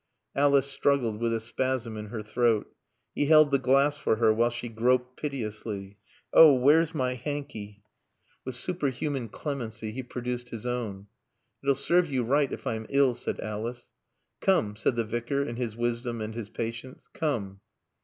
Alice struggled with a spasm in her throat. He held the glass for her while she groped piteously. "Oh, where's my hanky?" With superhuman clemency he produced his own. "It'll serve you right if I'm ill," said Alice. "Come," said the Vicar in his wisdom and his patience. "Come."